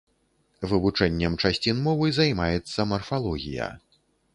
Вывучэннем часцін мовы займаецца марфалогія.